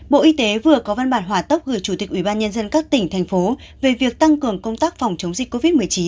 bộ y tế vừa có văn bản hòa tốc gửi chủ tịch ubnd các tỉnh thành phố về việc tăng cường công tác phòng chống dịch covid một mươi chín